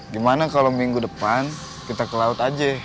gimana kalau minggu depan kita ke laut aja